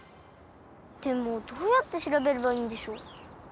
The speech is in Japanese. でもどうやってしらべればいいんでしょう？